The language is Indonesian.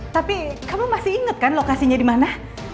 tapi kamu masih inget kan lokasinya dimana